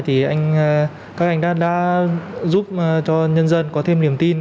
thì các anh đã giúp cho nhân dân có thêm niềm tin